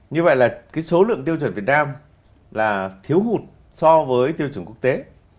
như vậy là số lượng tiêu chuẩn việt nam là thiếu hụt so với tiêu chuẩn quốc tế